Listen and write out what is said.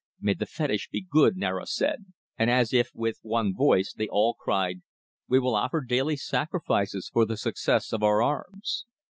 "May the fetish be good," Niaro said, and as if with one voice they all cried, "We will offer daily sacrifices for the success of our arms."